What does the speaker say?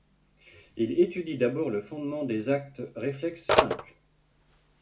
Il étudie d'abord le fondement des actes réflexes simples.